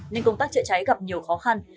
nên công tác chữa cháy gặp nhiều khó khăn